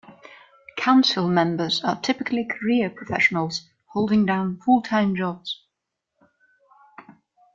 Council members are typically career professionals holding down full-time jobs.